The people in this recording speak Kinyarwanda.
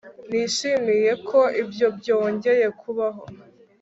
Nishimiye ko ibyo byongeye kubaho